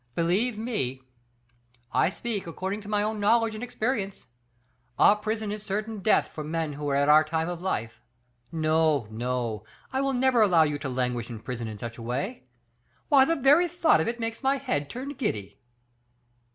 Believe me, I speak according to my own knowledge and experience. A prison is certain death for men who are at our time of life. No, no; I will never allow you to languish in prison in such a way. Why, the very thought of it makes my head turn giddy."